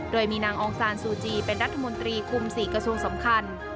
โดยมีนางองซานซูจีเป็นรัฐมนตรีคุม๔กระทรวงสำคัญ